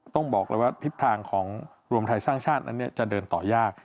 ต้องบอกเลยว่าทิศทางของรวมไทยสร้างชาตินั้นจะเดินต่อยาก